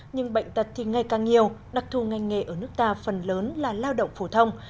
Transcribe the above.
nhưng bệnh tật thì ngày càng nhiều đặc thù ngành nghề ở nước ta phần lớn là lao động phổ thông